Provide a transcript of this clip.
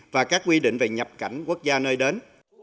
và các quy định về nhập cảnh quốc gia nơi đến